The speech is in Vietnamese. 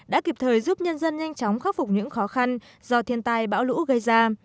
dân nhanh chóng khắc phục những khó khăn do thiên tai bão lũ gây ra